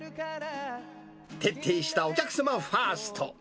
徹底したお客様ファースト。